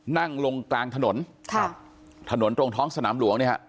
นั่งลงกลางถนนครับถนนตรงท้องสนามหลวงเนี่ยฮะ